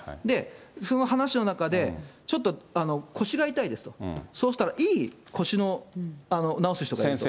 その話の中で、ちょっと腰が痛いですと、そうしたらいい腰の治す人。